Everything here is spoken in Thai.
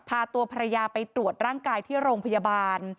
พาตัวภรรยาไปตรวจร่างกายที่โรงพยาบาล